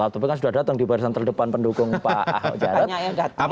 ya oh waktu itu kan sudah datang di barisan terdepan pendukung pak ahwajarab